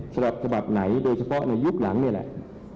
ฉบับฉบับไหนโดยเฉพาะในยุคหลังนี่แหละ